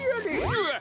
うわっ！